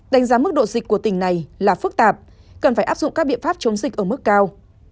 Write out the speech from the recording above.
đánh giá mức độ dịch của tỉnh này là phức tạp cần phải áp dụng các biện pháp chống dịch ở mức cao